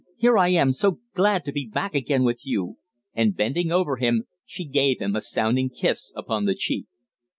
Here I am so glad to be back again with you!" And, bending over him, she gave him a sounding kiss upon the cheek.